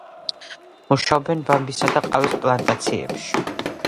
მუშაობენ ბამბისა და ყავის პლანტაციებში.